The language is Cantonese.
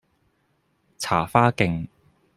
茶花徑